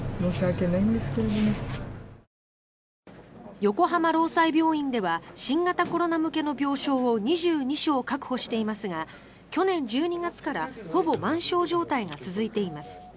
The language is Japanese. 横浜労災病院では新型コロナ向けの病床を２２床確保していますが去年１２月からほぼ満床状態が続いています。